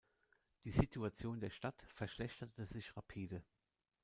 Die Situation der Stadt verschlechterte sich rapide.